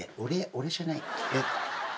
俺じゃない。